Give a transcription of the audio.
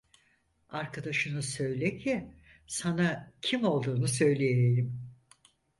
Arkadaşını söyle ki, sana kim olduğunu söyleyeyim.